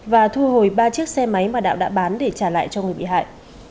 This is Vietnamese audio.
và thu hồi ba chiếc xe máy mà đạo đã bán để trả lại cho người bị hại